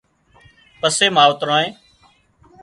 پسي ماوترانئي